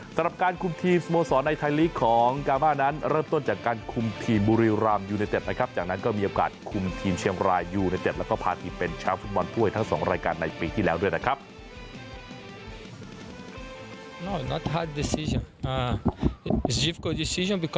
สำหรับการคุมทีมสโมสรในไทยลีกของกามานั้นเริ่มต้นจากการคุมทีมบุรีรามยูเนเต็ดนะครับจากนั้นก็มีโอกาสคุมทีมเชียงรายยูเนเต็ดแล้วก็พาทีมเป็นแชมป์ฟุตบอลถ้วยทั้ง๒รายการในปีที่แล้วด้วยนะครับ